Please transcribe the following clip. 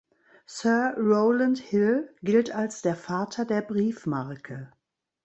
Sir Rowland Hill gilt als der „Vater der Briefmarke“.